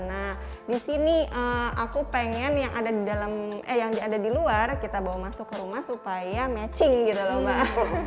nah di sini aku pengen yang ada di luar kita bawa masuk ke rumah supaya matching gitu loh mbak